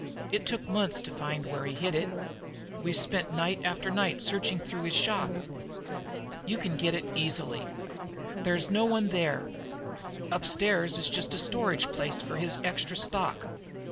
It took months to find where he hid it. We've spent night after night searching through his shop. You can get in easily. There's no one there upstairs is just a storage place for his extra stock.